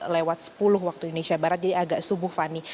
lewat sepuluh waktu indonesia barat jadi agak subuh fani